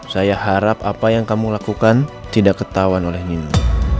saya harap apa yang kamu lakukan tidak ketahuan oleh nino